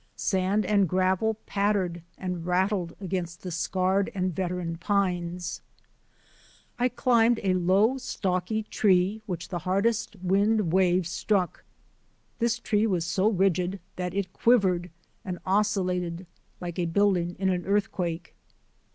Sand and gravel pattered and rattled against the scarred and veteran pines. I climbed a low, stocky tree which the hardest wind waves struck. This tree was so rigid that it quivered and oscillated like a building in an earthquake.